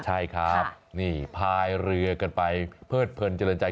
ใช่ครับนี่พายเรือกันไปเพิดเพลินเจริญใจ